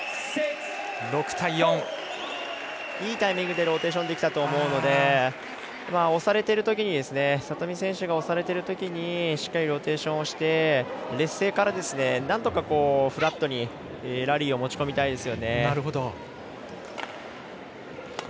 いいタイミングでローテーションできたと思うので里見選手が押されてるときにしっかり、ローテーションして劣勢からなんとかフラットに、ラリーを持ち込みたいですよね。